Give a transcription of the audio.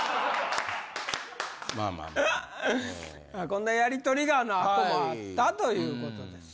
こんなやりとりがあの後もあったということです。